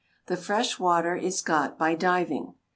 The fresh water is got by diving.